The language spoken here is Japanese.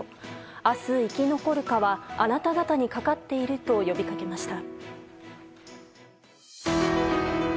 明日、生き残るかはあなた方にかかっていると呼びかけました。